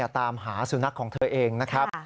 ตามหาสุนัขของเธอเองนะครับ